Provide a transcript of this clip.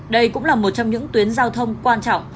đây cũng là một trong những tuyến giao thông quan trọng